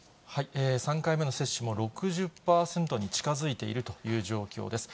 ３回目の接種も６０％に近づいているという状況です。